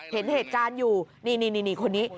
เห็นเหตุการณ์อยู่นี่คนนี้